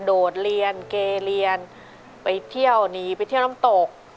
โดดเรียนเกเรียนไปเที่ยวหนีไปเที่ยวน้ำตก